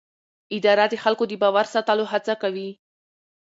اداره د خلکو د باور ساتلو هڅه کوي.